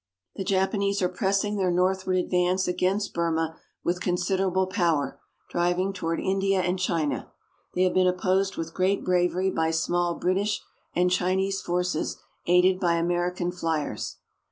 The Japanese are pressing their northward advance against Burma with considerable power, driving toward India and China. They have been opposed with great bravery by small British and Chinese forces aided by American fliers.